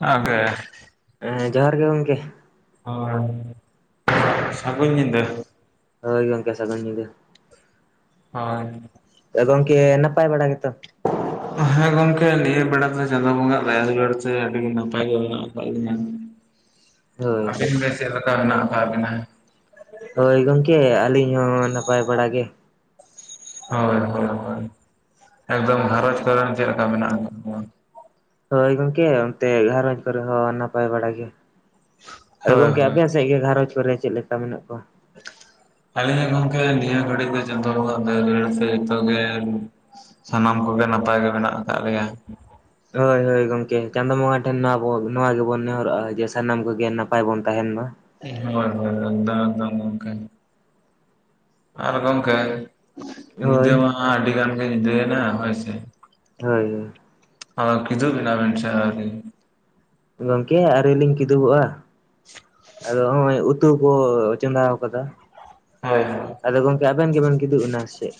ᱟᱜᱮ ᱦᱮᱸ ᱡᱚᱦᱟᱨ ᱜᱮ ᱜᱚᱝᱠᱮ ᱾ [inaudible] ᱥᱟᱹᱜᱩᱱ ᱧᱤᱫᱟᱹ ᱾ ᱦᱚᱭ ᱜᱚᱝᱠᱮ ᱥᱟ. ᱜᱩᱱ ᱧᱤᱫᱟᱹ ᱾ ᱦᱚᱭ, ᱮ ᱜᱚᱝᱠᱮ ᱱᱟᱯᱟᱭ ᱵᱟᱲᱟ ᱜᱮᱛᱚ? [inaudible] ᱦᱮᱸ ᱜᱚᱝᱠᱮ ᱱᱤᱭᱟᱹ ᱵᱮᱲᱟ ᱫᱚ ᱪᱟᱸᱫᱳ ᱵᱚᱸᱜᱟ ᱟᱜ ᱫᱟᱭᱟ ᱫᱩᱞᱟᱹᱲ ᱛᱮ ᱟᱹᱰᱤ ᱱᱟᱯᱟᱭ ᱜᱮ ᱢᱮᱱᱟᱜ ᱟᱠᱟᱫ ᱞᱤᱧᱟᱹ ᱾ ᱦᱳᱭ ᱟᱹᱵᱤᱱ ᱜᱮ ᱪᱮᱫᱞᱮᱠᱟ ᱢᱮᱱᱟᱜ ᱠᱟ ᱵᱤᱱᱟ? ᱦᱳᱭ ᱜᱚᱝᱠᱮ ᱟᱹᱞᱤᱧ ᱦᱚᱸ ᱱᱟᱯᱟᱭ ᱵᱟᱲᱟ ᱜᱮ ᱾ ᱦᱳᱭ ᱦᱳᱭ ᱦᱳᱭ ᱮᱠᱫᱚᱢ ᱜᱷᱟᱨᱚᱸᱡᱽ ᱠᱚᱨᱮᱱ ᱪᱮᱫ ᱞᱮᱠᱟ ᱢᱮᱱᱟᱜ ᱟᱠᱟᱫ ᱠᱚᱣᱟ? ᱦᱳᱭ ᱜᱚᱝᱠᱮ ᱚᱱᱛᱮ ᱜᱷᱟᱨᱚᱡᱽ ᱠᱚᱨᱮ ᱦᱚᱸ ᱱᱟᱯᱟᱭ ᱵᱟᱲᱟ ᱜᱮ ᱾ ᱮ ᱦᱳᱭ ᱜᱚᱝᱠᱮ ᱦᱳᱭ ᱟᱵᱮ ᱥᱮᱫ ᱜᱮ ᱜᱷᱟᱸᱷᱟᱨᱚᱡᱽ ᱠᱚᱨᱮ ᱪᱮᱫ ᱞᱮᱠᱟ ᱢᱮᱱᱟᱜ ᱠᱚᱣᱟ? ᱟᱹᱞᱤᱧᱟᱜ ᱜᱚᱢᱠᱮ ᱱᱤᱭᱟ ᱜᱷᱟᱹᱲᱤᱡ ᱪᱟᱸᱫᱚ ᱵᱚᱸᱜᱟ ᱫᱟᱭᱟ ᱫᱩᱞᱟᱹᱲ ᱛᱮ ᱡᱚᱛᱚ ᱜᱮ ᱥᱟᱱᱟᱢ ᱠᱚᱜᱮ ᱱᱟᱯᱟᱭ ᱜᱮ ᱢᱮᱱᱟᱜ ᱟᱠᱟᱫ ᱞᱮᱭᱟ᱾ ᱦᱳᱭ ᱦᱳᱭ, ᱜᱚᱢᱠᱮ ᱪᱟᱸᱫᱚ ᱵᱚᱸᱜᱟ ᱴᱷᱮᱱ ᱱᱚᱣᱟ ᱵᱚ ᱱᱚᱣᱟ ᱜᱮᱵᱚᱱ ᱱᱮᱦᱚᱨᱚᱜᱼᱟ ᱡᱮ ᱥᱟᱱᱟᱢ ᱠᱚᱜᱮ ᱱᱟᱯᱟᱭ ᱵᱚᱱ ᱛᱟᱦᱮᱱ ᱢᱟ᱾ ᱦᱳᱭ ᱦᱳᱭ ᱮᱠᱫᱚᱢ ᱮᱠᱫᱚᱢ ᱜᱚᱢᱠᱮ, ᱟᱨ ᱜᱚᱢᱠᱮ ᱧᱤᱫᱟᱹ ᱦᱳᱭ ᱢᱟ ᱟᱹᱰᱤ ᱜᱟᱱ ᱜᱮ ᱧᱤᱫᱟᱹᱭᱮᱱᱟ ᱦᱳᱭ ᱥᱮ ᱦᱳᱭ᱾ ᱦᱳᱭ ᱠᱤᱫᱷᱩᱯ ᱮᱱᱟ ᱵᱤᱱ ᱥᱮ ᱟᱹᱣᱨᱤ? ᱜᱚᱢᱠᱮ ᱟᱹᱣᱨᱤ ᱞᱤᱧ ᱠᱤᱫᱩᱚᱜᱼᱟ, ᱟᱨᱚ ᱦᱚᱸᱜᱼᱚᱭ ᱩᱛᱩ ᱠᱚ ᱪᱚᱸᱫᱟ ᱟᱠᱟᱫᱟ᱾ ᱦᱳᱭ, ᱦᱳᱭ᱾ ᱟᱫᱚ ᱜᱚᱢᱠᱮ ᱟᱵᱤᱱ ᱜᱮᱵᱮᱱ ᱜᱤᱫᱩᱵ ᱮᱱᱟ ᱥᱮ ᱪᱮᱫ?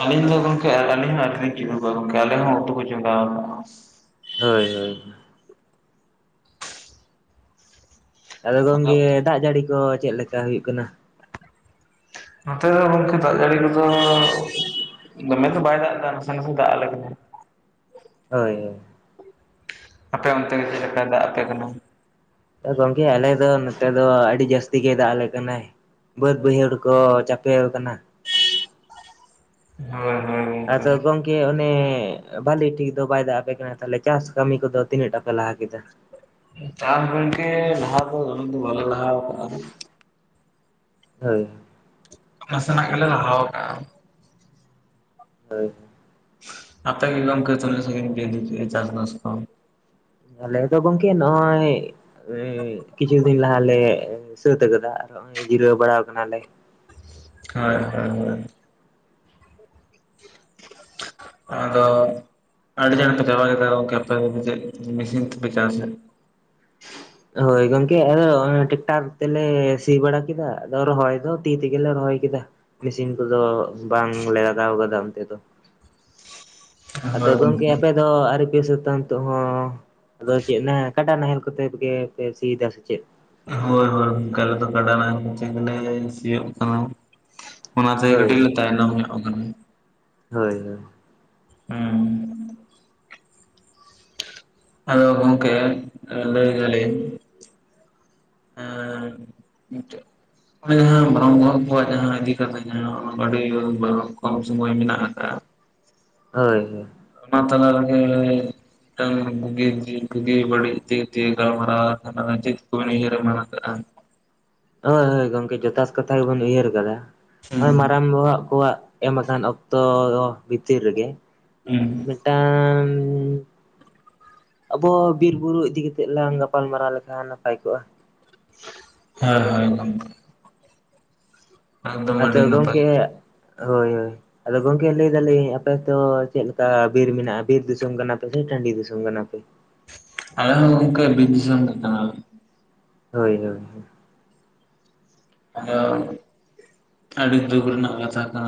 ᱟᱹᱞᱤᱧ ᱫᱚ ᱜᱚᱢᱠᱮ ᱟᱹᱞᱤᱧ ᱦᱚᱸ ᱟᱹᱰᱤ ᱞᱤᱧ ᱪᱮᱫᱚᱜᱼᱟ, ᱜᱚᱝᱠᱮ ᱟᱞᱮ ᱦᱚᱸ ᱩᱛᱩ ᱠᱚ ᱪᱚᱸᱜᱟᱣ ᱟᱠᱟᱜ ᱦᱳᱭ ᱦᱳᱭ᱾ ᱟᱫᱚ ᱠᱟᱜᱼᱟ᱾ ᱜᱚᱢᱠᱮ ᱫᱟᱜ ᱡᱟᱹᱲᱤ ᱠᱚ ᱪᱮᱫ ᱞᱮᱠᱟ ᱦᱩᱭᱩᱜ ᱠᱟᱱᱟ? ᱱᱚᱛᱮ ᱫᱚ ᱜᱚᱝᱠᱮ ᱫᱟᱜ ᱡᱟᱹᱲᱤ ᱠᱚᱫᱚ ᱫᱚᱢᱮ ᱫᱚ ᱵᱟᱭ ᱫᱟᱜ ᱮᱫᱟ, ᱱᱟᱥᱮ ᱱᱟᱥᱮ ᱫᱟᱜ ᱟᱞᱮ ᱠᱟᱱᱟ᱾ ᱦᱳᱭ, ᱦᱳᱭ᱾ ᱟᱯᱮ ᱚᱱᱛᱮ ᱫᱚ ᱪᱮᱫ ᱞᱮᱠᱟᱭ ᱫᱟᱜ ᱟᱯᱮ ᱠᱟᱱᱟ? ᱜᱚᱢᱠᱮ ᱟᱞᱮ ᱫᱚ ᱱᱚᱛᱮ ᱫᱚ ᱟᱹᱰᱤ ᱡᱟᱹᱥᱛᱤ ᱜᱮᱭ ᱫᱟᱜ ᱟᱞᱮ ᱠᱟᱱᱟᱭ᱾ ᱵᱟᱹᱫᱽ ᱵᱟᱹᱭᱦᱟᱹᱲ ᱠᱚ ᱪᱟᱯᱮ ᱟᱠᱟᱱᱟ᱾ ᱦᱳᱭ, ᱦᱳᱭ᱾ ᱜᱚᱝᱠᱮ ᱟᱫᱚ ᱜᱚᱢᱠᱮ ᱚᱱᱮ ᱵᱟᱹᱜᱤ ᱴᱷᱤᱠ ᱫᱚ ᱵᱟᱭ ᱫᱟᱜ ᱟᱯᱮ ᱠᱟᱱᱟ, ᱛᱟᱦᱞᱮ ᱪᱟᱥ ᱠᱟᱹᱢᱤ ᱠᱚᱫᱚ ᱛᱤᱱᱟᱹᱜ ᱴᱟᱜ ᱯᱮ ᱞᱟᱦᱟ ᱠᱮᱫᱟ? ᱪᱟᱥ ᱜᱚᱢᱠᱮ ᱞᱟᱦᱟ ᱫᱚ ᱵᱟᱞᱮ ᱞᱟᱦᱟ ᱟᱠᱟᱱᱟ ᱚᱸ᱾ ᱦᱳᱭ᱾ ᱱᱟᱥᱮᱱᱟᱜ ᱜᱮᱞᱮ ᱞᱟᱦᱟᱣ ᱠᱟᱜᱼᱟ᱾ ᱦᱳᱭ᱾ ᱟᱯᱮ‌ ᱜᱮ ᱜᱚᱝᱠᱮ‌ ᱛᱤᱱᱟᱹᱜ ᱥᱟᱺᱜᱤᱧ ᱯᱮ ᱤᱫᱤ ᱠᱮᱜᱼᱟ ᱪᱟᱥᱼᱵᱟᱥ ᱠᱚ? ᱟᱞᱮ ᱫᱚ ᱜᱚᱝᱠᱮ ᱱᱚᱜ-ᱚᱭᱼᱼ ᱮᱻᱭ ᱠᱤᱪᱷᱩ ᱫᱤᱱ ᱞᱟᱦᱟ ᱞᱮ ᱥᱟᱹᱛ ᱠᱟᱫᱟ ᱟᱨ ᱦᱚᱸᱜᱼᱚᱭ ᱡᱤᱨᱟᱹᱣ ᱵᱟᱲᱟᱣ ᱠᱟᱱᱟ ᱞᱮ᱾ ᱦᱤᱭ, ᱦᱳᱭ, ᱦᱳᱭ᱾ ᱟᱫᱚ ᱟᱰᱤ ᱪᱟᱬ ᱫᱚᱯᱮ ᱨᱟᱦᱚᱭ ᱪᱟᱵᱟ ᱜᱚᱜ ᱠᱮᱜ ᱟᱯᱮ ᱪᱮᱜ ᱯᱮ ᱢᱤᱥᱤᱱ ᱛᱮᱯᱮ ᱪᱟᱥᱟ? ᱦᱳᱭ ᱜᱚᱝᱠᱮ ᱟᱫᱚ ᱚᱱᱮ ᱴᱮᱠᱴᱟᱨ ᱛᱮᱞᱮ ᱥᱤ ᱵᱟᱲᱟ ᱠᱮᱫᱟ, ᱟᱫᱚ ᱨᱚᱦᱚᱭ ᱫᱚ ᱛᱤ ᱛᱮᱜᱮ ᱞᱮ ᱨᱚᱦᱚᱭ ᱠᱮᱫᱟ᱾ ᱢᱮᱥᱤᱱ ᱠᱩᱫᱚ ᱵᱟᱝ ᱞᱮ ᱞᱟᱜᱟᱣ ᱠᱟᱫᱟ ᱚᱱᱛᱮ ᱫᱚ᱾ ᱟᱫᱚ ᱜᱚᱝᱠᱮ ᱟᱯᱮ ᱫᱚ ᱟᱣᱨᱤ ᱯᱮ ᱥᱟᱹᱛᱟ ᱱᱤᱛᱚᱜ ᱦᱚᱸ ᱟᱫᱚ ᱪᱮᱜ ᱱᱟ ᱠᱟᱰᱟ ᱱᱟᱦᱮᱞ ᱠᱚᱛᱮ ᱜᱮ ᱯᱮ ᱥᱤᱭ ᱫᱟ ᱥᱮ ᱪᱮᱫ? ᱦᱳᱭ ᱦᱳᱭ, ᱚᱱᱠᱟ ᱟᱞᱮ ᱫᱚ ᱠᱟᱰᱟ ᱱᱟᱦᱮᱞ‌ ᱠᱚᱛᱮ ᱜᱮ ᱞᱮ ᱥᱤᱭᱳᱜ ᱠᱟᱱᱟ᱾ ᱚᱱᱟ ᱛᱮ ᱦᱳᱭ ᱠᱟᱹᱴᱤᱡ ᱞᱮ ᱛᱟᱭᱱᱚᱢ ᱧᱚᱜ ᱠᱟᱱᱟ᱾ ᱦᱳᱭ, ᱦᱳᱭ᱾ ᱦᱩᱸᱻᱩᱸ᱾ ᱟᱫᱚ ᱜᱚᱝᱠᱮ ᱮ ᱞᱟᱹᱭ ᱫᱟᱹᱞᱤᱧ ᱟᱸᱜ ᱟᱸᱜ ᱢᱤᱫᱴᱮᱜ ᱱᱚᱜ-ᱚᱸᱭ ᱡᱟᱦᱟᱸ [inaudible] ᱠᱚᱣᱟᱜ ᱡᱟᱦᱟᱸ ᱤᱫᱤ ᱠᱟᱛᱮᱜ ᱡᱟᱦᱟᱸ ᱟᱹᱰᱤ ᱵᱚᱨᱚ ᱠᱚᱢ ᱥᱩᱢᱚᱭ ᱢᱤᱱᱟᱜ ᱟᱠᱟᱜᱼᱟ᱾ ᱦᱳᱭ, ᱦᱳᱭ᱾ ᱚᱱᱟ ᱛᱟᱞᱟ ᱨᱮᱜᱮ ᱴᱟᱝ ᱜᱩᱜᱤ ᱫᱤᱱ ᱵᱩᱜᱤ ᱵᱟᱹᱲᱤᱡ ᱛᱤ ᱛᱤᱱ ᱜᱟᱞᱢᱟᱨᱟᱣ ᱟᱠᱟᱱᱟ ᱡᱮ ᱪᱮᱫᱜ ᱠᱚᱵᱮᱱ ᱩᱭᱦᱟᱹᱨ ᱢᱟᱨᱟᱝ ᱟᱠᱟᱜ-ᱟ? ᱦᱳᱭ ᱦᱳᱭ ᱜᱚᱝᱠᱮ ᱡᱚᱛᱷᱟᱥ ᱠᱟᱛᱷᱟ ᱜᱮᱵᱮᱱ ᱩᱭᱦᱟᱹᱨ ᱠᱟᱫᱟ ᱦᱩᱸ ᱮᱢ ᱢᱟᱨᱟᱝ ᱵᱚᱦᱚᱜ ᱠᱚᱣᱟᱜᱼᱼ ᱮᱢ ᱟᱠᱟᱱ ᱚᱠᱛᱚ ᱵᱷᱤᱛᱤᱨ ᱨᱮᱜᱮᱼᱼ ᱦᱩᱸ ᱢᱤᱫᱴᱟᱝᱼᱼ ᱟᱵᱚ ᱵᱤᱨ ᱵᱩᱨᱩ ᱤᱫᱤ ᱠᱮᱛᱮᱜ ᱞᱟᱝ ᱜᱟᱯᱟᱞ ᱢᱟᱨᱟᱣ ᱞᱮᱠᱷᱟᱱ ᱱᱟᱯᱟᱭ ᱠᱚᱜ-ᱟ᱾ ᱦᱮᱸ ᱦᱚᱭ ᱮᱠᱫᱚᱢ᱾ ᱟᱫᱚ ᱟᱹᱰᱤ ᱱᱟᱯᱟᱭ ᱜᱚᱝᱠᱮ ᱦᱳᱭ ᱦᱳᱭᱼᱼ ᱟᱫᱚ ᱜᱚᱝᱠᱮ ᱞᱟᱹᱭ ᱫᱟᱞᱤᱧ ᱟᱯᱮ ᱛᱚ ᱪᱮᱜ ᱞᱮᱠᱟ ᱵᱤᱨ ᱢᱮᱱᱟᱜ-ᱟ ᱵᱤᱨ ᱫᱤᱥᱚᱢ ᱠᱟᱱᱟ ᱯᱮ ᱥᱮ ᱴᱟᱸᱰᱤ ᱫᱤᱥᱚᱢ ᱠᱟᱱᱟ ᱯᱮ? ᱟᱞᱮ ᱦᱚᱸ ᱜᱚᱝᱠᱮ ᱵᱤᱨ ᱫᱤᱥᱚᱢ ᱠᱟᱱᱟ ᱞᱮ᱾ ᱦᱳᱭ ᱦᱳᱭ ᱦᱚᱭ᱾ [inaudible] ᱟᱹᱰᱤ ᱫᱩᱠ ᱨᱮᱱᱟᱜ ᱠᱟᱛᱷᱟ ᱠᱟᱱᱟ᱾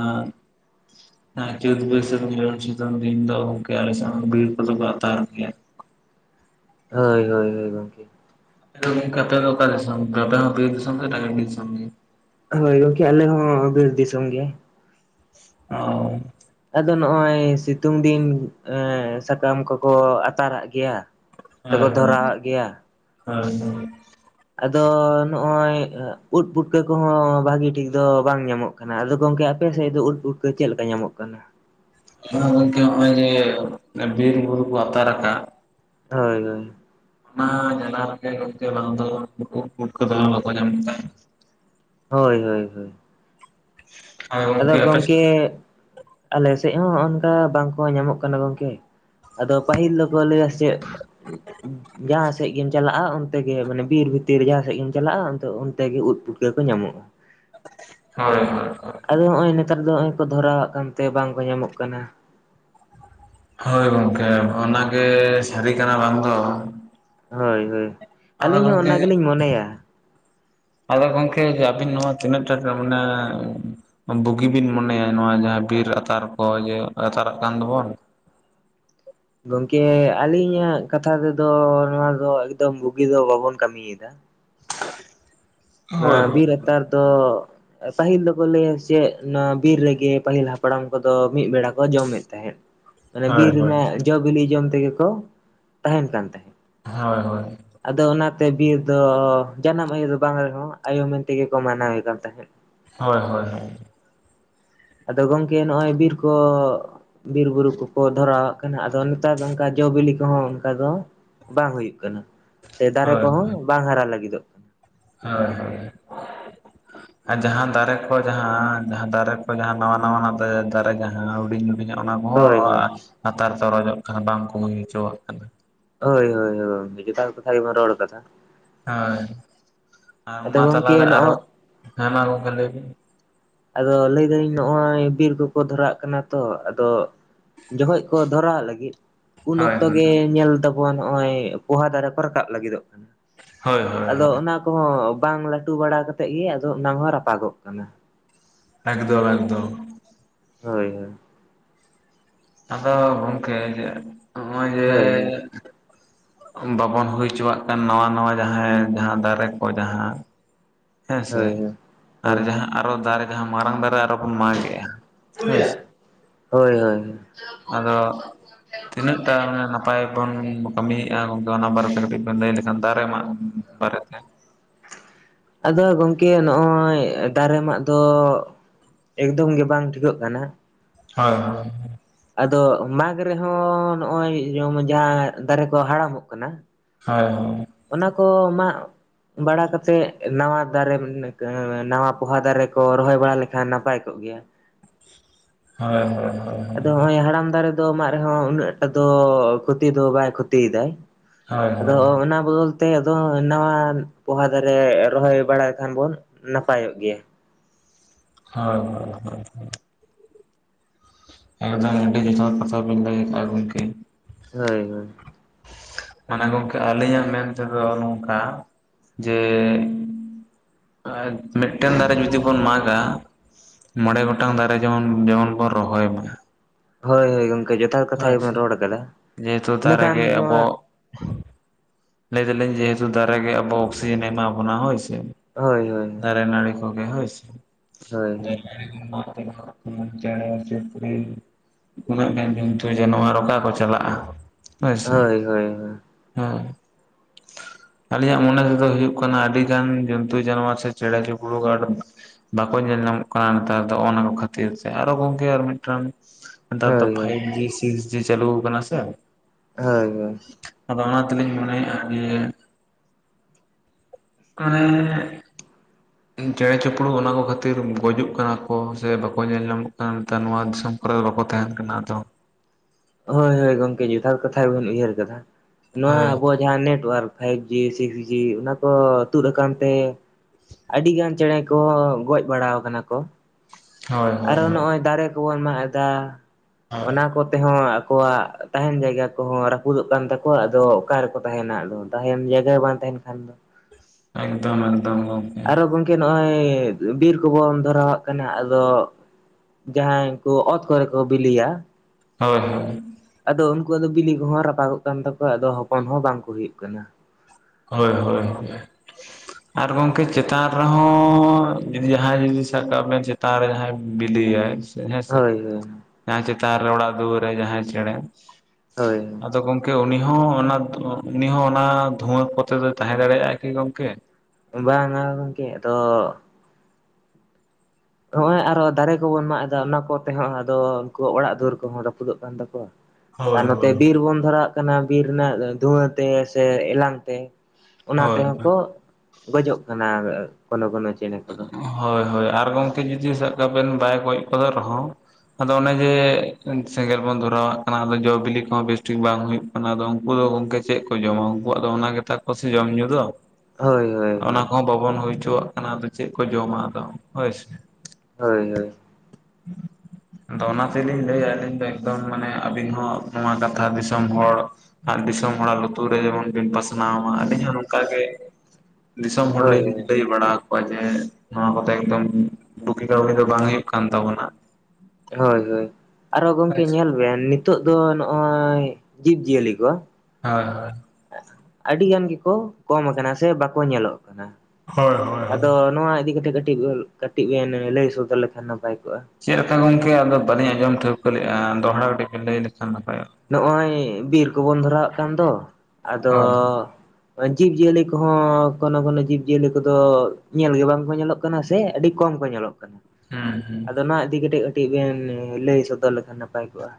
ᱟᱨ ᱪᱟᱹᱛ ᱵᱟᱹᱭᱥᱟᱹᱠ ‌ᱢᱤᱞᱚᱱ ᱥᱤᱛᱩᱝ ᱫᱤᱱ ᱫᱚ ᱚᱝᱠᱮ‌ ᱟᱞᱮ ᱥᱮᱜ ᱦᱚᱸ ᱵᱤᱨ ᱠᱚᱫᱚ ᱠᱚ ᱟᱛᱟᱨ‌ ᱠᱮᱭᱟ ᱾ ᱦᱳᱭ ᱦᱳᱭ‌‌ ᱦᱳᱭ ᱜᱚᱝᱠᱮ᱾ ᱟᱫᱚ ᱜᱚᱝᱠᱮ ᱟᱯᱮ ᱫᱚ ᱚᱠᱟ ᱫᱤᱥᱚᱢ ᱯᱮ‌ ᱟᱯᱮ ᱦᱚᱸ ᱵᱤᱨ ᱫᱤᱥᱚᱢ ᱥᱮ‌ ᱴᱟᱸᱰᱤ ‌ᱫᱤᱥᱚᱢ ‌ᱜᱮ? ᱦᱳᱭ ᱜᱚᱝᱠᱮ ᱟᱞᱮ ᱦᱚᱸ ᱵᱤᱨ ᱫᱤᱥᱚᱢ ᱜᱮ᱾ [inaudible] ᱟᱫᱚ ᱱᱚᱜ-ᱚᱭ ᱥᱤᱛᱩᱝ ᱫᱤᱱ ᱮᱸ ᱥᱟᱠᱟᱢ ᱠᱚᱠᱚ ᱟᱛᱟᱨᱟᱜ ᱜᱮᱭᱟ᱾ ᱦᱚᱭ ᱥᱮᱠᱚ ᱦᱚᱭ ᱫᱷᱚᱨᱟᱣᱟᱜ ᱜᱮᱭᱟ ᱦᱚᱭ ᱦᱚᱭ᱾ ᱟᱫᱚ ᱱᱚᱜ-ᱚᱭ ᱚᱜ ᱩᱫ ᱯᱩᱴᱠᱟᱹ ᱠᱚᱦᱚᱸ ᱵᱷᱟᱜᱤ ᱴᱷᱤᱠ ᱫᱚ ᱵᱟᱝ ᱧᱟᱢᱚᱜ ᱼᱼ ᱠᱟᱱᱟ ᱟᱫᱚ ᱜᱚᱝᱠᱮ ᱟᱯᱮ ᱥᱮᱡ ᱫᱚ ᱩᱫ ᱯᱩᱴᱠᱟᱹ ᱪᱮᱜ ᱞᱮᱠᱟ ᱧᱟᱢᱚᱜ ᱠᱟᱱᱟ? ᱟᱫᱚ ᱜᱚᱝᱠᱮ ᱱᱚᱜ-ᱚᱭ ᱡᱮ ᱵᱤᱨ ᱵᱩᱨᱩ ᱠᱚ ᱟᱛᱟᱨ ᱟᱠᱟᱜᱼᱼ ᱦᱳᱭ ᱦᱳᱭ᱾ ᱢᱟ ᱡᱟᱞᱮᱫ ᱛᱮ ᱱᱚᱱᱛᱮ ᱵᱟᱝ ᱫᱚ ᱱᱩᱠᱩ ᱯᱩᱴᱠᱟᱹ ᱫᱚᱦᱚᱸ ᱵᱟᱠᱚ ᱧᱟᱢ ᱵᱟᱭ ᱛᱟᱦᱮᱫ ᱼᱼ ᱦᱳᱭ ᱦᱳᱭ ᱦᱳᱭ᱾ ᱦᱳᱭ ᱟᱫᱚ ᱜᱚᱝᱠᱮ ᱟᱯᱮ ᱥᱮᱫ ᱜᱚᱝᱠᱮᱜᱼᱼ ᱟᱞᱮ ᱥᱮᱡ ᱦᱚᱸ ᱦᱚᱸᱜ-ᱚᱝᱠᱟ ᱵᱟᱝ ᱠᱚ ᱧᱟᱢᱚᱜ ᱠᱟᱱᱟ ᱜᱚᱝᱠᱮ ᱟᱫᱚ ᱯᱟᱦᱤᱞ ᱫᱚᱠᱚ ᱞᱟᱹᱭᱟᱥᱼᱼ ᱥᱮᱫ ᱡᱟᱦᱟᱸᱥᱼᱼ ᱥᱮᱜ ᱜᱮᱢ ᱪᱟᱞᱟᱜ-ᱟ ᱚᱱᱛᱮ ᱜᱮ ᱢᱟᱱᱮ ᱵᱤᱨ ᱵᱷᱤᱛᱤᱨ ᱡᱟᱦᱟᱸ ᱥᱮᱜ ᱜᱮᱢ ᱪᱟᱞᱟᱜ-ᱟ ᱚᱱᱛᱮ ᱚᱱᱛᱮ ᱜᱮ ᱩᱫ ᱯᱩᱴᱠᱟᱹ ᱠᱚ ᱧᱟᱢᱚᱜ᱾ ᱦᱚᱭ ᱦᱚᱭ ᱦᱚᱼᱼ ᱟᱫᱚ ᱦᱚᱸᱜ-ᱚᱭ ᱱᱮᱛᱟᱨ ᱫᱚ ᱚᱭ ᱠᱚ ᱫᱷᱚᱨᱟᱣᱟᱜ ᱠᱟᱱ ᱛᱮ ᱵᱟᱝ ᱠᱚ ᱧᱟᱢᱚᱜ ᱠᱟᱱᱟ᱾ ᱦᱳᱭ ᱜᱚᱝᱠᱮ ᱚᱱᱟᱜᱮ ᱥᱟᱹᱨᱤ ᱠᱟᱱᱟ ᱵᱟᱝ ᱫᱚ? ᱦᱳᱭ ᱦᱳᱭ ᱟᱫᱚ ᱟᱹᱞᱤᱧ ᱦᱚᱸ ᱚᱱᱟ ᱜᱚᱝᱠᱮ ᱜᱮᱞᱤᱧ ᱢᱚᱱᱮᱭᱟ ᱾ ᱟᱫᱚ ᱜᱚᱝᱠᱮ ᱟᱵᱤᱱ ᱱᱚᱣᱟ ᱛᱤᱱᱟᱹᱜ ᱴᱟ ᱢᱟᱱᱮᱻ ᱵᱩᱜᱤᱵᱤᱱ ᱢᱚᱱᱮᱭᱟ ᱱᱚᱣᱟ ᱡᱟᱦᱟᱸ ᱵᱤᱨ ᱟᱛᱟᱨ ᱠᱚ ᱡᱮ ᱟᱛᱟᱨᱟᱜ ᱠᱟᱱ ᱫᱚᱵᱚᱱ? ᱜᱚᱝᱠᱮ ᱟᱹᱞᱤᱧᱟᱜ ᱠᱟᱛᱷᱟ ᱛᱮᱫᱚ ᱱᱚᱣᱟ ᱫᱚ ᱮᱠᱫᱚᱢ ᱵᱩᱜᱤ ᱫᱚ ᱵᱟᱵᱚᱱ ᱠᱟᱹᱢᱤᱭᱮᱫᱟ ᱾ [inaudible] ᱦᱳᱭ ᱱᱚᱣᱟ ᱦᱳᱭ ᱵᱤᱨ ᱟᱛᱟᱨ ᱫᱚ ᱯᱟᱹᱦᱤᱞ ᱫᱚᱠᱚ ᱞᱟᱹᱭᱟ ᱥᱮᱜ ᱱᱚᱣᱟ ᱵᱤᱨ ᱨᱮᱜᱮ ᱯᱟᱹᱦᱤᱞ ᱦᱟᱯᱲᱟᱢ ᱠᱚᱫᱚ ᱢᱤᱫ ᱵᱮᱲᱟ ᱠᱚ ᱡᱚᱢᱮᱫ ᱛᱟᱦᱮᱸᱫ ᱚᱱᱮ ᱦᱳᱭ ᱵᱤᱨ ᱦᱳᱭ ᱨᱮᱱᱟᱜ ᱡᱚ ᱵᱤᱞᱤ ᱡᱚᱢ ᱛᱮᱜᱮ ᱠᱚ ᱛᱟᱦᱮᱱ ᱠᱟᱱ ᱛᱟᱦᱮᱸᱫ ᱾ ᱦᱳᱭ ᱦᱳᱭ, ᱟᱫᱚ ᱚᱱᱟᱛᱮ ᱵᱤᱨ ᱫᱚ ᱡᱟᱱᱟᱢ ᱟᱭᱩ ᱫᱚ ᱵᱟᱝ ᱨᱮᱦᱚᱸ ᱟᱭᱳ ᱢᱮᱱ ᱛᱮᱜᱮ ᱠᱚ ᱢᱟᱱᱟᱣᱮᱫ ᱠᱟᱱ ᱛᱟᱦᱮᱸᱫ ᱾ ᱦᱳᱭ ᱦᱳᱭ ᱦᱳᱭ ᱾ ᱟᱫᱚ ᱜᱚᱢᱠᱮ ᱱᱚᱜᱼᱚᱭ ᱵᱤᱨ ᱠᱚ ᱵᱤᱨ ᱵᱩᱨᱩ ᱠᱚᱠᱚ ᱫᱷᱚᱨᱟᱣᱟᱜ ᱠᱟᱱᱟ ᱟᱫᱚ ᱱᱮᱛᱟᱨ ᱫᱚ ᱚᱱᱠᱟ ᱡᱚ ᱵᱤᱞᱤ ᱠᱚᱦᱚᱸ ᱚᱱᱠᱟ ᱫᱚ ᱵᱟᱝ ᱦᱩᱭᱩᱜ ᱠᱟᱱᱟ ᱥᱮ ᱫᱟᱨᱮ ᱦᱳᱭ ᱠᱚᱦᱚᱸ ᱵᱟᱝ ᱦᱟᱨᱟ ᱞᱟᱹᱜᱤᱫᱚᱜ ᱾ ᱦᱳᱭ ᱦᱳᱭ ᱾ ᱟᱨ ᱡᱟᱦᱟᱸ ᱫᱟᱨᱮ ᱠᱚ ᱡᱟᱦᱟᱸ -ᱫᱟᱨᱮ ᱠᱚ ᱡᱟᱦᱟᱸ ᱱᱟᱣᱟ-ᱱᱟᱣᱟ ᱱᱟᱛᱮ ᱫᱟᱨᱮ ᱡᱟᱦᱟᱸ ᱦᱩᱰᱤᱧ ᱚᱱᱟ ᱦᱳᱭ ᱦᱳᱭ ᱠᱚᱦᱚᱸ ᱟᱛᱟᱨ ᱛᱚᱨᱚᱡᱚᱜ ᱠᱟᱱᱟ ᱵᱟᱝ ᱠᱚ ᱦᱩᱭ ᱚᱪᱚᱣᱟᱜ ᱠᱟᱱᱟ᱾ ᱦᱳᱭ- ᱦᱳᱭ -ᱦᱳᱭ ᱡᱚᱛᱦᱟᱛ ᱠᱟᱛᱷᱟ ᱜᱮ ᱵᱤᱱ ᱨᱚᱲ ᱟᱠᱟᱫᱟ ᱦᱳᱭ ᱟᱨ ᱟᱫᱚ ᱚᱱᱟ ᱜᱚᱝᱠᱮ ᱛᱟᱞᱟᱨᱮ ᱟᱨᱚ ᱱᱚᱜᱼᱚᱭ ᱦᱮᱢᱟ ᱜᱚᱝᱠᱮ ᱞᱟᱹᱭ ᱵᱤᱱ ᱟᱫᱚ ᱞᱟᱹᱭᱫᱟᱞᱤᱧ ᱱᱚᱜᱼᱚᱭ ᱵᱤᱨ ᱠᱚᱠᱚ ᱫᱷᱚᱨᱟᱣᱟᱜ ᱠᱟᱱᱟ ᱛᱚ ᱟᱫᱚ ᱡᱠᱷᱚᱡ ᱠᱚ ᱫᱷᱚᱨᱟᱣᱟᱜ ᱞᱟᱹᱜᱤᱫ ᱩᱱ ᱦᱳᱭ ᱚᱠᱛᱚ ᱜᱮ ᱧᱮᱞ ᱛᱟᱵᱚᱱ ᱱᱚᱜ ᱚᱭ ᱯᱚᱦᱟ ᱫᱟᱨᱮ ᱠᱚ ᱨᱟᱠᱟᱵ ᱞᱟᱹᱜᱤᱫᱚᱜ ᱠᱟᱱᱟ ᱦᱳᱭ ᱦᱳᱭ ᱟᱫᱚ ᱦᱳᱭ ᱚᱱᱟ ᱠᱚᱦᱚᱸ ᱵᱟᱝ ᱞᱟᱹᱴᱩ ᱵᱟᱲᱟ ᱠᱟᱛᱮ ᱜᱮ ᱟᱫᱚ ᱚᱱᱟ ᱦᱚᱸ ᱨᱟᱯᱟᱜᱚᱜ ᱠᱟᱱᱟ᱾ ᱮᱠᱫᱚᱢ-ᱮᱠᱫᱚᱢ ᱦᱳᱭ-ᱦᱳᱭ ᱟᱫᱚ ᱜᱚᱝᱠᱮ ᱱᱚᱜ ᱚᱭ ᱡᱮᱻ ᱦᱳᱭ ᱵᱟᱵᱚᱱ ᱦᱩᱭ ᱦᱚᱪᱚᱣᱟᱜ ᱠᱟᱱ ᱱᱟᱣᱟ-ᱱᱟᱣᱟ ᱡᱟᱦᱟᱸ-ᱡᱟᱦᱟᱸ ᱫᱟᱨᱮ ᱠᱚ ᱡᱟᱦᱟᱸ ᱦᱮᱸ ᱥᱮ ᱦᱳᱭ ᱟᱨ ᱦᱳᱭ ᱡᱟᱦᱟᱸ ᱟᱨᱚ ᱫᱟᱨᱮ ᱡᱟᱦᱟᱸ ᱢᱟᱨᱟᱝ ᱫᱟᱨᱮ ᱟᱨᱚ ᱵᱚᱱ ᱢᱟᱜᱮᱼᱟ᱾ ᱦᱳᱭ-ᱦᱳᱭ ᱟᱫᱚ ᱛᱤᱱᱟᱹᱜ ᱴᱟ ᱢᱟᱱᱮ ᱱᱟᱯᱟᱭ ᱵᱚᱱ ᱠᱟᱹᱢᱤᱭᱮᱫᱼᱟ ᱜᱚᱢᱠᱮ ᱚᱱᱟ ᱵᱟᱨᱮᱛᱮ ᱠᱟᱹᱴᱤᱡ ᱵᱤᱱ ᱞᱟᱹᱭ ᱞᱮᱠᱷᱟᱱ ᱫᱟᱨᱮ ᱢᱟᱜ ᱵᱟᱨᱮᱛᱮ ᱟᱫᱚ ᱜᱚᱝᱠᱮ ᱱᱚᱜᱼᱚᱭ ᱫᱟᱨᱮ ᱢᱟᱜ ᱫᱚᱻ ᱮᱠᱫᱚᱢ ᱜᱮ ᱵᱟᱝ ᱴᱷᱤᱠᱚᱹᱜ ᱠᱟᱱᱟ᱾ ᱦᱚᱭ-ᱦᱚᱭ ᱟᱫᱚ ᱢᱟᱜᱽ ᱨᱮᱦᱚᱸ ᱱᱚᱜᱼᱚᱭ ᱡᱮᱢᱚᱱ ᱡᱟᱦᱟᱸ ᱫᱟᱨᱮ ᱠᱚ ᱦᱟᱲᱟᱢᱚᱜ ᱠᱟᱱᱟ ᱦᱳᱭ-ᱦᱳᱭ ᱚᱱᱟ ᱠᱚ ᱢᱟᱜᱽ ᱵᱟᱲᱟ ᱠᱟᱛᱮᱫ ᱱᱟᱣᱟ ᱫᱟᱨᱮ ᱱᱟᱣᱟ ᱯᱚᱦᱟ ᱫᱟᱨᱮ ᱠᱚ ᱨᱚᱦᱚᱭ ᱵᱟᱲᱟ ᱞᱮᱠᱷᱟᱱ ᱱᱟᱯᱟᱭ ᱠᱚᱜ ᱜᱮᱭᱟ᱾ ᱦᱚᱭ-ᱦᱚᱭ-ᱦᱚᱭ ᱟᱫᱚ ᱦᱚᱸᱜᱼᱚᱭ ᱦᱟᱲᱟᱢ ᱫᱟᱨᱮ ᱫᱚ ᱢᱟᱜ ᱨᱮᱦᱚᱸ ᱩᱱᱟᱹᱜ ᱴᱟᱜ ᱫᱚ ᱠᱷᱚᱛᱤ ᱫᱚ ᱵᱟᱭ ᱠᱷᱚᱛᱤᱭᱮᱫᱟᱭ᱾ ᱦᱳᱭ ᱟᱫᱚ ᱦᱳᱭ ᱦᱳᱭ ᱦᱳᱭ ᱚᱱᱟ ᱵᱚᱫᱚᱞ ᱛᱮ ᱫᱚ ᱱᱟᱣᱟ ᱯᱚᱦᱟ ᱫᱟᱨᱮ ᱨᱚᱦᱚᱭ ᱵᱟᱲᱟᱭ ᱠᱷᱟᱱ ᱵᱚᱱ ᱱᱟᱯᱟᱭᱚᱜ ᱜᱮᱭᱟ᱾ ᱦᱚᱭ-ᱦᱚᱭ-ᱦᱚᱭ ᱟᱫᱚ ᱟᱰᱤ ᱡᱚᱛᱷᱟᱛ ᱠᱟᱛᱷᱟ ᱵᱤᱱ ᱞᱟᱹᱭ ᱟᱠᱟᱜ ᱟ ᱜᱚᱢᱠᱮ ᱦᱳᱭ-ᱦᱳᱭ ᱢᱟᱱᱮ ᱜᱚᱢᱠᱮ ᱟᱹᱞᱤᱧᱟᱜ ᱢᱮᱱ ᱛᱮᱫᱚ ᱱᱚᱝᱠᱟ ᱡᱮ ᱢᱤᱫᱴᱟ. ᱝ ᱫᱟᱨᱮ ᱡᱩᱫᱤ ᱵᱚᱱ ᱢᱟᱜᱟ ᱢᱚᱬᱮ ᱜᱚᱴᱟᱝ ᱫᱟᱨᱮ ᱡᱮᱢᱚᱱ- ᱡᱮᱢᱚᱱ ᱵᱚᱱ ᱨᱚᱦᱚᱭ ᱢᱟ ᱦᱳᱭ-ᱦᱳᱭ ᱜᱚᱢᱠᱮ ᱡᱚᱛᱷᱟᱛ ᱠᱟᱛᱷᱟ ᱦᱳᱭ ᱥᱮ ᱜᱮᱵᱤᱱ ᱨᱚᱲ ᱠᱟᱫᱟ ᱡᱮᱦᱮᱛᱩ ᱫᱟᱨᱮ ᱤᱱᱟᱹᱠᱷᱟᱱ ᱜᱮ ᱱᱚᱣᱟ ᱟᱵᱚ ᱞᱟᱹᱭ ᱫᱟᱞᱤᱧ ᱡᱮ ᱦᱮᱛᱩ ᱫᱟᱨᱮ ᱜᱮ ᱟᱵᱚ ᱚᱠᱥᱤᱡᱮᱱ ᱮᱢᱟ ᱵᱚᱱᱟ ᱦᱚᱭ ᱥᱮ ᱦᱳᱭ- ᱦᱳᱭ ᱫᱟᱨᱮ-ᱱᱟᱹᱲᱤ ᱠᱚ ᱜᱮ ᱦᱳᱭ ᱥᱮ ᱦᱳᱭ ᱦᱳᱭ ᱢᱚᱪᱟ ᱥᱤᱯᱤ ᱩᱱᱟᱹᱜ ᱜᱟᱱ ᱡᱟᱺᱛᱩ ᱡᱟᱱᱣᱟᱨ ᱠᱟ ᱠᱚ ᱪᱟᱞᱟᱜᱼᱟ ᱦᱳᱭ ᱥᱮ ᱦᱮᱸ ᱟ. ᱞᱤᱧᱟᱜ ᱢᱚᱱᱮ ᱛᱮ ᱫᱚ ᱦᱩᱭᱩᱜ ᱠᱟᱱᱟ, ᱟᱰᱤ ᱜᱟᱱ ᱡᱚᱱᱛᱩ ᱡᱟᱱᱣᱟᱨ ᱪᱮᱬᱮ ᱪᱤᱯᱨᱩ ᱠᱟᱴ ᱵᱟᱠᱚ ᱧᱮᱞ ᱧᱟᱢᱚᱜ ᱠᱟᱱᱟ ᱱᱮᱛᱟᱨ ᱫᱚ ᱚᱱᱟ ᱠᱷᱟᱹᱛᱤᱨ ᱛᱮ ᱟᱨᱚ ᱜᱚᱢᱠᱮ ᱟᱨ ᱢᱤᱫ ᱴᱟ. ᱱ ᱦᱳᱭ ᱱᱮᱛᱟᱨ ᱫᱚ ᱦᱳᱭ ᱦᱳᱭ ᱯᱷᱟᱭᱤᱵᱷ ᱡᱤ ᱥᱤᱠᱥ ᱡᱤ ᱪᱟᱹᱞᱩ ᱟᱠᱟᱱᱟ ᱥᱮ, ᱦᱳᱭ-ᱦᱳᱭ ᱟᱫᱚ ᱚᱱᱟᱛᱮᱞᱤᱧ ᱢᱚᱱᱮᱭᱮᱫ ᱟ ᱡᱮ ᱚᱟᱱᱮ [unintelligible] ᱪᱮᱬᱮ ᱪᱤᱯᱲᱩᱫ ᱚᱱᱟ ᱠᱚ ᱠᱷᱟᱹᱛᱤᱨ ᱜᱚᱡᱩᱜ ᱠᱟᱱᱟ ᱠᱚ ᱥᱮ ᱵᱟᱠᱩ ᱧᱮᱞ ᱧᱟᱢᱚᱜ ᱠᱟᱱᱟ ᱱᱮᱛᱟᱨ ᱱᱚᱣᱟ ᱫᱤᱥᱚᱢ ᱠᱚᱨᱮ ᱫᱚ ᱵᱟᱠᱚ ᱛᱟᱦᱮᱸᱱ ᱠᱟᱱᱟ ᱟᱫᱚ ᱦᱳᱭ, ᱦᱳᱭ ᱜᱚᱢᱠᱮ ᱡᱚᱛᱷᱟᱛ ᱠᱟᱛᱷᱟ ᱜᱮᱵᱚᱱ ᱩᱭᱦᱟᱹᱨ ᱟᱠᱟᱫᱟ, ᱱᱚᱣᱟ ᱦᱮᱸ ᱟᱵᱩᱣᱟᱜ ᱡᱟᱦᱟᱸ network five G, six G ᱚᱱᱟ ᱠᱚ ᱛᱩᱫ ᱟᱠᱟᱱ ᱛᱮ, ᱟᱰᱤᱜᱟᱱ ᱪᱮᱬᱮ ᱠᱚᱸ ᱜᱚᱡ ᱵᱟᱲᱟᱣ ᱠᱟᱱᱟ ᱠᱚ ᱦᱳᱭ ᱦᱳᱭ ᱟᱨᱚ ᱦᱳᱭ ᱱᱚᱜᱼᱚᱭ ᱫᱟᱨᱮ ᱠᱚᱵᱚᱱ ᱢᱟᱜ ᱮᱫᱟ, ᱦᱳᱭ ᱚᱱᱟ ᱠᱚᱛᱮ ᱦᱚᱸ ᱟᱠᱩᱣᱟᱜᱼᱼ ᱛᱟᱦᱮᱱ ᱡᱟᱭᱜᱟ ᱠᱚᱦᱚᱸ ᱨᱟᱯᱩᱫᱚᱜ ᱠᱟᱱ ᱛᱟᱠᱚᱣᱟ ᱟᱫᱚ ᱚᱠᱟ ᱨᱮ ᱠᱚ ᱛᱟᱦᱮᱱᱟ ᱟᱫᱚ ᱛᱟᱦᱮᱱ ᱡᱟᱭᱜᱟ ᱵᱟᱝ ᱛᱟᱦᱮᱱ ᱠᱷᱟᱱ ᱫᱚ ᱮᱠᱫᱚᱢ, ᱮᱠᱫᱚᱢ ᱜᱚᱢᱠᱮ ᱟᱨᱚ ᱦᱚ ᱜᱚᱝᱠᱮ ᱱᱚᱜᱼᱚᱭ ᱵᱤᱨ ᱠᱚᱵᱩᱱ ᱫᱷᱚᱨᱟᱣᱼᱟᱜ ᱠᱟᱱᱟ ᱟᱫᱚ᱾ ᱡᱟᱦᱟᱸᱭ ᱠᱚ ᱚᱛ ᱠᱚᱨᱮ ᱠᱚ ᱵᱤᱞᱤᱭᱟ, ᱦᱳᱭ, ᱦᱳᱭ ᱟᱫᱚ ᱩᱱᱠᱩᱣᱟᱜ ᱫᱚ ᱵᱤᱞᱤ ᱠᱚᱦᱚᱸ ᱨᱟᱯᱟᱜᱼᱚᱜ ᱠᱟᱱ ᱛᱟᱠᱩᱣᱟ ᱟᱫᱚ ᱦᱚᱯᱚᱱ ᱦᱚᱸ ᱵᱟᱝ ᱠᱚ ᱦᱩᱭᱩᱜ ᱠᱟᱱᱟ᱾ ᱦᱳᱭ, ᱦᱳᱭ, ᱦᱳᱭ ᱟᱨ ᱜᱚᱢᱠᱮ ᱪᱮᱛᱟᱱ ᱨᱮ ᱦᱚᱸ ᱡᱩᱫᱤ ᱡᱟᱦᱟᱸᱭ ᱡᱩᱫᱤ ᱥᱟᱵ ᱠᱟᱜ ᱢᱮ ᱪᱮᱛᱟᱱ ᱨᱮ ᱡᱟᱦᱟᱸᱭ ᱵᱤᱞᱤᱭᱼᱟᱭ᱾ ᱦᱮᱸᱥᱮ, ᱦᱳᱭ ᱦᱳᱭ ᱡᱟᱦᱟᱸ ᱪᱮᱛᱟᱱ ᱨᱮ ᱚᱲᱟᱜ ᱫᱩᱣᱟᱹᱨ ᱨᱮ ᱡᱟᱦᱟᱸᱭ ᱪᱮᱬᱮ ᱦᱳᱭ ᱟᱫᱚ ᱜᱚᱢᱠᱮ ᱩᱱᱤ ᱦᱚᱸ ᱚᱱᱟ ᱩᱱᱤ ᱦᱚᱸ ᱚᱱᱟ ᱫᱷᱩᱣᱟᱹ ᱠᱚᱛᱮ ᱫᱚᱭ ᱛᱟᱦᱮᱸ ᱫᱟᱲᱮᱭᱟᱜᱼᱟ ᱠᱤ ᱜᱚᱝᱠᱮ ᱵᱟᱝᱼᱟ ᱜᱚᱢᱠᱮ ᱟᱫᱚ ᱱᱚᱜᱼᱚᱭ ᱟᱨᱚ ᱫᱟᱨᱮ ᱠᱚᱵᱚᱱ ᱢᱟᱜ ᱮᱫᱟ ᱚᱱᱟ ᱠᱚᱛᱮ ᱦᱚᱸ ᱟᱫᱚ ᱩᱱᱠᱩ ᱚᱲᱟᱜ ᱫᱩᱣᱟᱹᱨ ᱠᱚᱦᱚᱸ ᱨᱟᱹᱯᱩᱫᱚᱜ ᱠᱟᱱ ᱛᱟᱠᱩᱣᱟ᱾ ᱦᱳᱭ ᱟᱨ ᱱᱚᱛᱮ ᱦᱳᱭ ᱵᱤᱨ ᱵᱚᱱ ᱫᱷᱚᱨᱟᱜ ᱠᱟᱱᱟ ᱵᱤᱨ ᱨᱮᱱᱟᱜ ᱫᱷᱩᱣᱟᱹ ᱛᱮ ᱥᱮ ᱮᱞᱟᱝ ᱛᱮ, ᱚᱱᱟ ᱦᱳᱭ ᱛᱮᱦᱚᱸ ᱠᱚ ᱜᱚᱡᱚᱜ ᱠᱟᱱᱟ ᱠᱚᱱᱳ ᱠᱳᱱᱳ ᱪᱮᱬᱮ ᱠᱚ ᱫᱚ ᱦᱳᱭ, ᱦᱳᱭ ᱟᱨ ᱜᱚᱢᱠᱮ ᱡᱩᱫᱤ ᱥᱟᱵ ᱠᱟᱵᱤᱱ ᱵᱟᱭ ᱜᱚᱡ ᱜᱚᱫᱚᱜ ᱨᱮ ᱦᱚᱸ ᱟᱫᱚ ᱚᱱᱮ ᱡᱮ ᱥᱮᱸᱜᱮᱞ ᱵᱚᱱ ᱫᱷᱚᱨᱟᱣᱼᱟᱜ ᱠᱟᱱᱟ ᱟᱫᱚ ᱡᱚ ᱵᱤᱞᱤ ᱠᱚᱦᱚᱸ ᱵᱮᱥ ᱴᱷᱤᱠ ᱵᱟᱝ ᱦᱳᱭᱳᱜ ᱠᱟᱱᱟ᱾ ᱚᱱᱟ ᱫᱚ ᱩᱱᱠᱩ ᱫᱚ ᱜᱚᱝᱠᱮ ᱪᱮᱫ ᱠᱚ ᱡᱚᱢᱟ ᱩᱱᱠᱩᱣᱼᱟᱜ ᱫᱚ ᱚᱱᱟ ᱜᱮᱛᱟ ᱠᱚ ᱥᱮ ᱡᱚᱢ ᱧᱩᱸ ᱫᱚ᱾ ᱦᱳᱭ ᱦᱳᱭ ᱚᱱᱟ ᱦᱳᱭ ᱠᱚ ᱦᱚᱸ ᱵᱟᱵᱚᱱ ᱦᱩᱭ ᱦᱚᱪᱚᱣᱟᱜ ᱠᱟᱱᱟ ᱟᱫᱚ ᱪᱮᱫ ᱠᱚ ᱡᱚᱢᱟ ᱟᱫᱚ ᱦᱳᱭᱥᱮ ᱦᱳᱭ, ᱦᱳᱭ ᱦᱮᱸ [inaudible] ᱟᱫᱚ ᱚᱱᱟ ᱛᱮᱞᱤᱧ ᱞᱟᱹᱭᱮᱫ ᱟᱹᱞᱤᱧ ᱫᱚ ᱮᱠᱫᱚᱢ ᱢᱟᱱᱮ ᱟᱵᱤᱱ ᱦᱚᱸ ᱱᱚᱣᱟ ᱠᱟᱛᱷᱟ ᱫᱤᱥᱚᱢ ᱦᱚᱲ, ᱟᱨ ᱫᱤᱥᱚᱢ ᱦᱚᱲᱟᱜ ᱞᱩᱛᱩᱨ ᱨᱮ ᱡᱮᱢᱚᱱ ᱵᱤᱱ ᱯᱟᱥᱱᱟᱣᱟ ᱟᱹᱰᱤ ᱦᱚᱸ ᱱᱚᱝ ᱠᱟᱜᱮ ᱫᱤᱥᱚᱢ ᱦᱳᱭ ᱦᱚᱲᱞᱤᱞ ᱞᱟᱹᱭ ᱵᱟᱲᱟ᱾ [inaudible] ᱡᱮ ᱱᱚᱣᱟ ᱠᱚ ᱫᱚ ᱮᱠᱫᱚᱢ ᱵᱩᱜᱤ ᱠᱟᱹᱣᱰᱤ ᱫᱚ ᱵᱟᱝ ᱦᱩᱭᱩᱜ ᱠᱟᱱ ᱛᱟᱵᱚᱱᱟ᱾ ᱦᱳᱭ, ᱦᱳᱭ ᱟᱨᱚ ᱜᱚᱝᱠᱮ ᱦᱳᱭ ᱧᱮᱞ ᱵᱮᱱ ᱱᱤᱛᱚᱜ ᱫᱚ ᱱᱚᱜᱼᱚᱭ ᱡᱤᱵᱽ ᱡᱤᱭᱟᱹᱞᱤ ᱠᱚ᱾ ᱦᱳᱭ ᱟᱹᱰᱤ ᱜᱟᱱ ᱜᱮᱠᱚ ᱠᱚᱢ ᱟᱠᱟᱱᱟ ᱥᱮ ᱵᱟᱠᱚ ᱧᱮᱞᱚᱜ ᱠᱟᱱᱟ, ᱾ ᱦᱳᱭ ᱦᱳᱭ ᱦᱳᱭ ᱟᱫᱚ ᱱᱚᱣᱟ ᱤᱫᱤ ᱠᱟᱛᱮᱫ ᱠᱟᱹᱴᱤᱡ, ᱠᱟᱹᱴᱤᱡ ᱵᱮᱱ ᱞᱟᱹᱭ ᱥᱚᱫᱚᱨ ᱞᱮᱠᱷᱟᱱ ᱱᱟᱯᱟᱭ ᱠᱚᱜᱼᱟ᱾ ᱪᱮᱫ ᱞᱮᱠᱟ ᱜᱚᱝᱠᱮ ᱟᱫᱚ ᱵᱟᱹᱞᱤᱧ ᱟᱸᱡᱚᱢ ᱴᱷᱟᱹᱣᱠᱟᱹ ᱞᱮᱫᱼᱟ ᱫᱚᱦᱲᱟ ᱠᱟᱹᱴᱤᱡ ᱵᱮᱤᱱ ᱞᱟᱹᱭ ᱞᱮᱠᱷᱟᱱ ᱱᱟᱯᱟᱭᱚᱜᱼᱟ᱾ ᱱᱚᱜᱼᱚᱸᱚᱭ ᱵᱤᱨ ᱠᱚᱵᱚᱱ ᱫᱷᱚᱨᱟᱣᱟᱜ ᱠᱟᱱ ᱫᱚ ᱟᱫᱚ, ᱦᱳᱭ ᱡᱤᱵᱽᱡᱤᱭᱟᱹᱞᱤ ᱠᱚ ᱦᱚᱸ ᱠᱚᱱᱳ ᱠᱳᱱᱳ ᱡᱤᱵᱽᱡᱤᱭᱟᱹᱞᱤ ᱠᱚᱫᱚ ᱧᱮᱞ ᱜᱮ ᱵᱟᱝ ᱠᱚ ᱧᱮᱞᱚᱜ ᱠᱟᱱᱟ᱾ ᱠᱟᱱᱟ ᱥᱮ ᱟᱹᱰᱤ ᱠᱚᱢ ᱠᱚ ᱧᱮᱞᱚᱜ ᱠᱟᱱᱟ, ᱦᱩᱸ ᱦᱩᱸ ᱟᱫᱚ ᱚᱱᱟ ᱤᱫᱤ ᱠᱟᱹᱴᱤᱡ ᱵᱮᱱ ᱞᱟᱹᱭ ᱥᱚᱫᱚᱨ ᱞᱮᱠᱷᱟᱱ ᱱᱟᱯᱟᱭ ᱠᱚᱜᱼᱟ᱾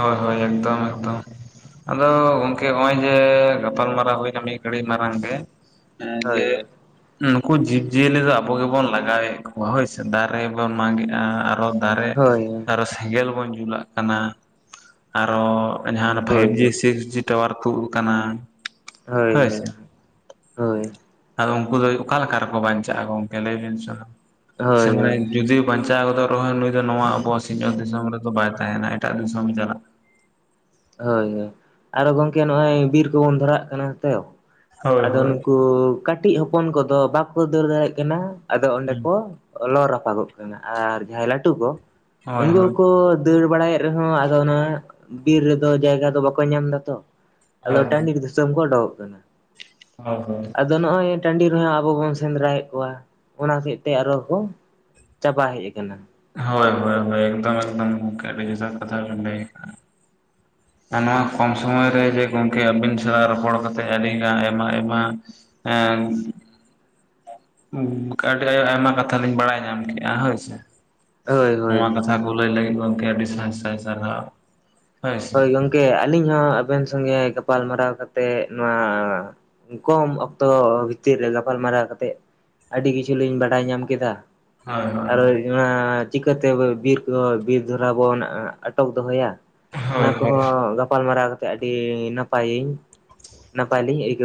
ᱦᱳᱭ ᱦᱳᱭ ᱮᱠᱫᱚᱢ ᱮᱠᱫᱚᱢ ᱟᱫᱚ ᱜᱚᱝᱠᱮ ᱱᱚᱜᱼᱚᱭ ᱡᱮ ᱜᱟᱯᱟᱞᱢᱟᱨᱟᱣ ᱦᱩᱭᱱᱟ ᱢᱤᱫ ᱜᱷᱟᱹᱲᱤᱡ ᱢᱟᱲᱟᱝ ᱨᱮᱼᱼ ᱦᱮᱸ ᱡᱮ ᱦᱳᱭ ᱱᱩᱠᱩ ᱡᱤᱵ ᱡᱤᱭᱟᱹᱞᱤ ᱫᱚ ᱟᱵᱚ ᱜᱮᱵᱚᱱ ᱞᱟᱜᱟᱭᱮᱫ ᱠᱚᱣᱟ ᱦᱳᱭᱥᱮ ᱫᱟᱨᱮᱵᱚᱱ ᱢᱟᱜᱮᱫᱽ ᱟᱨᱚ ᱫᱟᱨᱮ ᱦᱳᱭ ᱟᱨᱚ ᱥᱮᱸᱜᱮᱞ ᱵᱚᱱ ᱡᱩᱞᱟᱜ ᱠᱟᱱᱟ ᱟᱨᱚ ᱡᱟᱦᱟᱸ ᱚᱱᱮ ᱯᱷᱟᱭᱤᱵ ᱦᱳᱭ ᱡᱤ ᱥᱤᱠᱥᱡᱤ ᱴᱟᱣᱟᱨ ᱛᱩᱫ ᱠᱟᱱᱟ, ᱦᱳᱭ ᱦᱳᱭ ᱦᱳᱭ ᱟᱫᱚ ᱩᱝᱠᱩ ᱫᱚ ᱚᱠᱟ ᱞᱮᱠᱟ ᱨᱮᱠᱚ ᱵᱟᱧᱪᱟᱜ-ᱟ ᱜᱚᱝᱠᱮ ᱞᱟᱹᱭ ᱵᱤᱱ ᱥᱮ ᱦᱳᱭ ᱦᱳᱭ ᱢᱟᱱᱮ ᱡᱩᱫᱤ ᱵᱟᱧᱪᱟᱣ ᱜᱚᱫᱚᱜ ᱨᱮᱦᱚᱸᱭ ᱱᱩᱭ ᱫᱚ ᱱᱚᱣᱟ ᱟᱵᱚᱣᱟᱜ ᱥᱤᱧᱚᱛ ᱫᱤᱥᱚᱢ ᱨᱮᱫᱚ ᱵᱟᱭ ᱛᱟᱦᱮᱱᱟ ᱮᱴᱟᱜ ᱫᱤᱥᱚᱢᱮ ᱪᱟᱞᱟᱜ-ᱟ᱾ ᱦᱳᱭ ᱦᱳᱭ ᱟᱨᱚ ᱜᱚᱝᱠᱮ ᱱᱚᱜ-ᱚᱭ ᱵᱤᱨ ᱠᱚᱵᱚᱱ ᱫᱷᱚᱨᱟᱣᱟᱜ ᱠᱟᱱᱟ ᱛᱚ, ᱦᱳᱭ ᱟᱫᱚ ᱦᱳᱭ ᱱᱩᱠᱩ ᱠᱟᱹᱴᱤᱡ ᱦᱚᱯᱚᱱ ᱠᱚᱫᱚ ᱵᱟᱠᱚ ᱫᱟᱹᱲ ᱫᱟᱲᱮᱜ ᱠᱟᱱᱟ ᱟᱫᱚ ᱚᱸᱰᱮ ᱠᱚ ᱞᱚ ᱨᱟᱯᱟᱜᱚᱜ ᱠᱟᱱᱟ ᱟᱨ ᱡᱟᱦᱟᱸᱭ ᱞᱟᱹᱴᱩ ᱠᱚ ᱦᱳᱭ ᱩᱱᱠᱩ ᱠᱚ ᱦᱳᱭ ᱠᱚ ᱫᱟᱹᱲ ᱵᱟᱲᱟᱭᱮᱫ ᱨᱮᱦᱚᱸ ᱟᱫᱚ ᱱᱚᱣᱟ ᱵᱤᱨ ᱨᱮᱫᱚ ᱡᱟᱭᱜᱟ ᱫᱚ ᱵᱟᱠᱚ ᱧᱟᱢ ᱫᱟᱛᱚ ᱦᱳᱭ ᱟᱫᱚ ᱴᱟᱺᱰᱤᱨ ᱫᱤᱥᱚᱢ ᱠᱚ ᱚᱰᱚ ᱠᱚᱜ ᱠᱟᱱᱟ᱾ ᱦᱚᱸ ᱦᱚᱸ ᱟᱫᱚ ᱱᱚᱜ-ᱚᱭ ᱴᱟᱺᱰᱤ ᱨᱮᱦᱚᱸ ᱟᱵᱚ ᱵᱚᱱ ᱥᱮᱸᱫᱽᱨᱟᱭᱮᱫ ᱠᱚᱣᱟ ᱚᱱᱟ ᱦᱚᱛᱮᱡ ᱛᱮ ᱟᱨᱚ ᱠᱚ ᱪᱟᱵᱟ ᱦᱮᱡ ᱟᱠᱟᱱᱟ᱾ ᱦᱳᱭ ᱦᱳᱭ ᱦᱳᱭ ᱮᱫᱚᱢ ᱮᱫᱚᱢ ᱜᱚᱝᱠᱮ ᱟᱹᱰᱤ ᱡᱚᱛᱷᱟ ᱠᱟᱛᱷᱟ ᱵᱮᱱ ᱞᱟᱹᱭ ᱠᱟᱜ-ᱟ᱾ ᱟᱨ ᱱᱚᱣᱟ ᱠᱚᱢ ᱥᱚᱢᱚᱭ ᱨᱮ ᱡᱮ ᱜᱚᱝᱠᱮ ᱟᱹᱵᱤᱱ ᱥᱟᱣ ᱨᱚᱯᱚᱲ ᱠᱟᱛᱮᱜ ᱟᱹᱰᱤᱜᱟᱱ ᱟᱭᱢᱟ ᱟᱭᱢᱟ ᱮᱸᱻᱢ ᱠᱟ ᱟᱹᱰᱤ ᱟᱭᱢᱟ ᱠᱟᱛᱷᱟ ᱞᱤᱧ ᱵᱟᱲᱟᱭ ᱧᱟᱢ ᱠᱮᱜ-ᱟ ᱦᱳᱭ ᱥᱮ᱾ ᱦᱳᱭ ᱦᱳᱭ ᱱᱚᱣᱟ ᱦᱳᱭ ᱠᱟᱛᱷᱟ ᱠᱚ ᱞᱟᱹᱭ ᱞᱟᱹᱜᱤᱫ ᱜᱚᱝᱠᱮ ᱟᱹᱰᱤ ᱥᱟᱭ ᱥᱟᱭ ᱥᱟᱨᱦᱟᱣ, ᱦᱳᱭ ᱜᱚᱝᱠᱮ ᱟᱹᱞᱤᱧ ᱦᱚᱸ ᱟᱵᱮᱱ ᱥᱚᱸᱜᱮ ᱜᱟᱯᱟᱞ ᱢᱟᱨᱟᱣ ᱠᱟᱛᱮ ᱱᱚᱣᱟ ᱠᱚᱢ ᱚᱠᱛᱚ ᱵᱷᱤᱛᱤᱨ ᱨᱮ ᱜᱟᱯᱟᱞ ᱢᱟᱨᱟᱣ ᱠᱟᱛᱮᱜ ᱟᱹᱰᱤ ᱠᱤᱪᱷᱩ ᱞᱤᱧ ᱵᱟᱰᱟᱭ ᱧᱟᱢ ᱠᱮᱫᱟ᱾ ᱦᱳᱭ ᱦᱳᱭ ᱦᱳᱭ ᱱᱚᱣᱟ ᱪᱤᱠᱟᱹᱛᱮ ᱵᱤᱨ ᱠᱚ ᱵᱤᱨ ᱫᱷᱚᱨᱟᱣ ᱵᱚᱱ ᱟᱴᱚᱠ ᱫᱚᱦᱚᱭᱟ? ᱚᱱᱟ ᱦᱳᱭ ᱦᱳᱭ ᱠᱚᱦᱚᱸ ᱜᱟᱯᱟᱞ ᱢᱟᱨᱟᱣ ᱠᱟᱛᱮ ᱟᱹᱰᱤ ᱱᱟᱯᱟᱭ, ᱱᱟᱯᱟᱭ ᱞᱤᱧ ᱟᱹᱭᱠᱟᱹᱣ